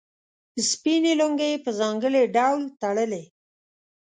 سپینې لونګۍ یې په ځانګړي ډول تړلې.